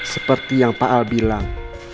seperti yang pak al bilang